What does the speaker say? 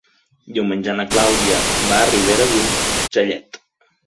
Diumenge na Clàudia va a Ribera d'Urgellet.